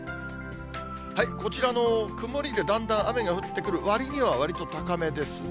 こちらの曇りで、だんだん雨が降ってくるわりにはわりと高めですね。